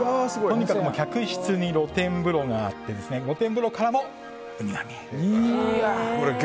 とにかく客室に露天風呂があって露天風呂からも、見られると。